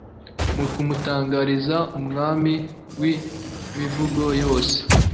mu kumutangariza umwami wimivugo yose